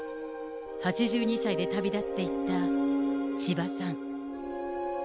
８２歳で旅立っていった千葉さん。